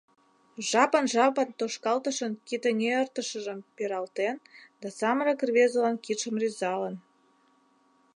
Жапын-жапын тошкалтышын кидэҥертышыжым пералтен да самырык рвезылан кидшым рӱзалын.